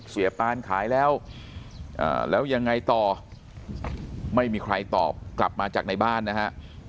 ปานขายแล้วแล้วยังไงต่อไม่มีใครตอบกลับมาจากในบ้านนะฮะ